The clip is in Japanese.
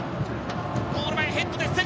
ゴール前、ヘッドで競る。